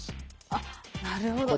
あなるほど。